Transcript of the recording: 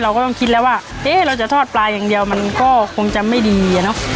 ก็ต้องคิดแล้วว่าเอ๊ะเราจะทอดปลาอย่างเดียวมันก็คงจะไม่ดีอะเนาะ